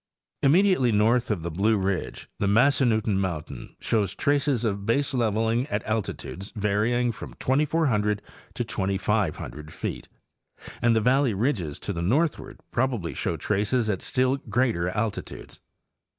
Immediately north of the Blue ridge, the Massannutten mountain shows traces of baseleveling at alti tudes varying from 2,400 to 2,500 feet, and the valley ridges to the northward probably show traces at still greater altitudes.